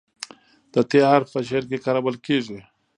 د "ت" حرف په شعر کې کارول کیږي.